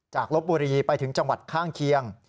ลบบุรีไปถึงจังหวัดข้างเคียง